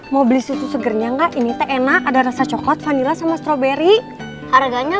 mau beli susu segernya enggak ini teh enak ada rasa coklat vanila sama stroberi harganya